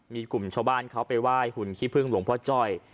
มีกลุ่มชาวบ้านเขาไปไหว้หุ่นขี้พึ่งหลวงพ่อจ้อย